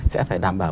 sẽ phải đảm bảo